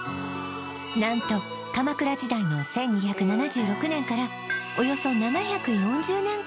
何と鎌倉時代の１２７６年からおよそ７４０年間